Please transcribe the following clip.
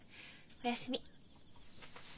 おやすみ。